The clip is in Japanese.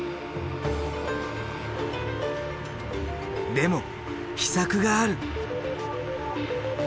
でも秘策がある！